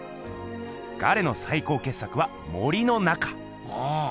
ガレの最高けっ作は森の中！